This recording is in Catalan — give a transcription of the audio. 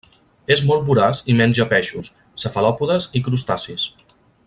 És molt voraç i menja peixos, cefalòpodes i crustacis.